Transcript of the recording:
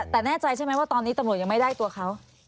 แต่แน่ใจใช่ไหมว่าตอนนี้ตำรวจยังไม่ได้ตัวเขา